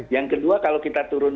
yang kedua kalau kita turun